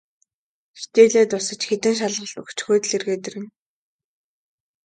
Хичээлээ дуусаж, хэдэн шалгалт өгчхөөд л эргээд ирнэ.